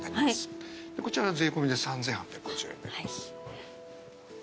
こちら税込みで３，８５０円になります。